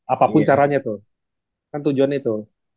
apapun caranya tuh kan tujuannya tuh